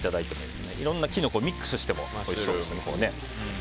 いろんなキノコをミックスしてもおいしいですね。